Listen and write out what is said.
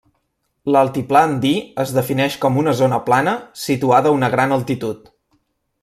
L'Altiplà Andí es defineix com una zona plana, situada a una gran altitud.